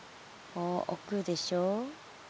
こうおくでしょ。